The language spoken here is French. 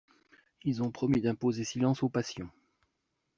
Ils ont promis d'imposer silence aux passions.